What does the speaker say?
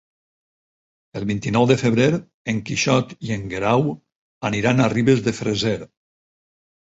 El vint-i-nou de febrer en Quixot i en Guerau aniran a Ribes de Freser.